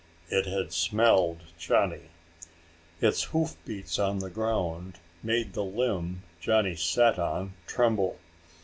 It had smelled Johnny! Its hoofbeats on the ground made the limb Johnny sat on tremble.